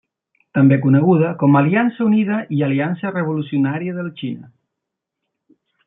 També coneguda com a Aliança Unida i Aliança Revolucionària de la Xina.